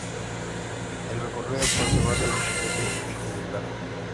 El recorrido actual se basa en ese itinerario.